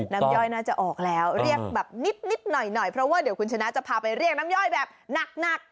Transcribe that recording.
ย่อยน่าจะออกแล้วเรียกแบบนิดหน่อยหน่อยเพราะว่าเดี๋ยวคุณชนะจะพาไปเรียกน้ำย่อยแบบหนัก